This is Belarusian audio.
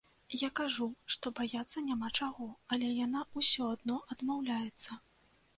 Я кажу, што баяцца няма чаго, але яна ўсё адно адмаўляецца.